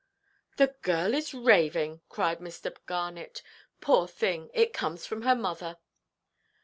"The girl is raving," cried Mr. Garnet. "Poor thing, it comes from her mother."